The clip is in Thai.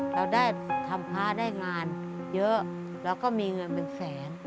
เราได้ทำพระได้งานเยอะเราก็มีเงินเป็นแสน